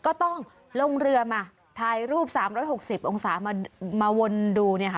ก็ต้องลงเรือมาถ่ายรูปสามร้อยหกสิบองศามามาวนดูเนี้ยค่ะ